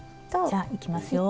じゃあいきますよ。